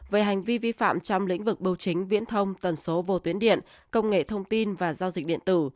về hành vi vi phạm trong lĩnh vực bưu chính viễn thông tần số vô tuyến điện công nghệ thông tin và giao dịch điện tử